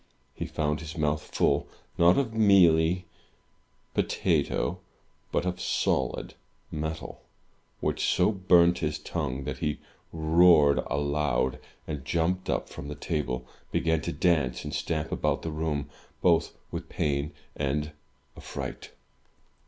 He found his mouth full, not of mealy potato, but of solid metal, which so burnt his tongue that he roared aloud, and, jumping up from the table, began to dance and stamp about the room, both with pain and affright.